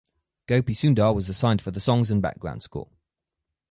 Gopi Sundar was assigned for the songs and background score.